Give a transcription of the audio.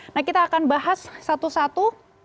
nah kita akan bahas satu satu